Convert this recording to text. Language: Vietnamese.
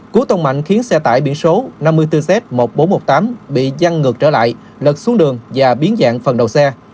cú tông mạnh khiến xe tải biển số năm mươi bốn z một nghìn bốn trăm một mươi tám bị dăn ngược trở lại lật xuống đường và biến dạng phần đầu xe